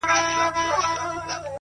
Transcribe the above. • هغې نجلۍ ته مور منګی نه ورکوینه,,!